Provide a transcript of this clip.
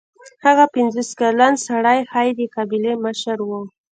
هغه پنځوس کلن سړی ښايي د قبیلې مشر و.